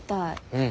うん。